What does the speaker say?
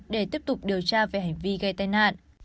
để tiếp tục điều tra về hành vi gây tai nạn